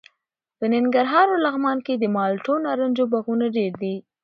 په ننګرهار او لغمان کې د مالټو او نارنجو باغونه ډېر دي.